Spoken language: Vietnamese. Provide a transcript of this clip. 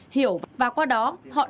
hiểu và qua đó họ đồng ý